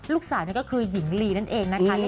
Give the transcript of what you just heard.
นั่นก็คือหญิงลีนั่นเองนะคะ